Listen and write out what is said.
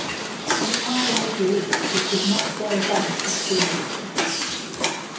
When the album was released, it did not sell as others had previously.